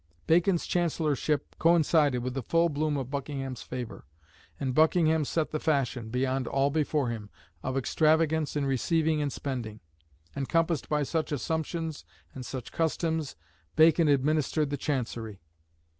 Bacon's Chancellorship coincided with the full bloom of Buckingham's favour; and Buckingham set the fashion, beyond all before him, of extravagance in receiving and spending. Encompassed by such assumptions and such customs, Bacon administered the Chancery.